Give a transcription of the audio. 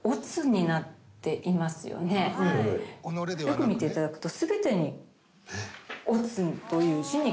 「よく見ていただくと」